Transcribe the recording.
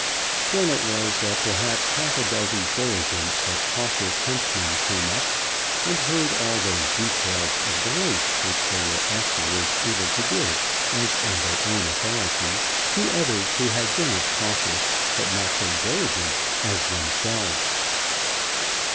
Then it was that perhaps half a dozen diligent, but cautious, huntsmen came up, and heard all those details of the race which they were afterwards able to give, as on their own authority, to others who had been as cautious, but not so diligent, as themselves.